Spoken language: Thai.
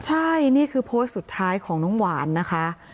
ใช่นี่คือโพสต์สุดท้ายของน้องหวานนะคะ